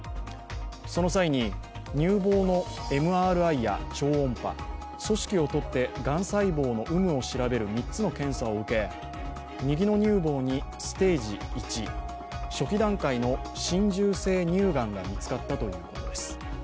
その際に、乳房のＭＲＩや超音波、組織をとってがん細胞の有無を調べる３つの検査を受け右の乳房にステージ１初期段階の浸潤性乳がんが見つかったということです。